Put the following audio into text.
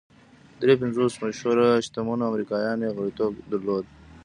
درې پنځوس مشهورو شتمنو امریکایانو یې غړیتوب درلود